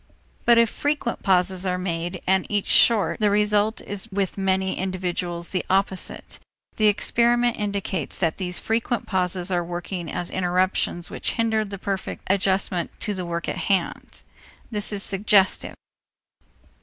But if frequent pauses are made, and each short, the result is with many individuals the opposite. The experiment indicates that these frequent pauses are working as interruptions which hinder the perfect adjustment to the work in hand. That is suggestive.